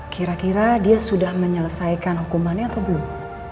kira kira dia sudah menyelesaikan hukumannya atau belum